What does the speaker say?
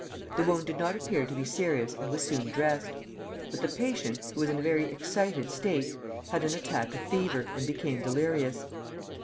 The wound did not appear to be serious and was soon dressed. But the patient, who was in a very excited state, had an attack of fever and became delirious.